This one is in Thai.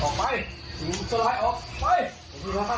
ออกไปสิ่งสลายออกไป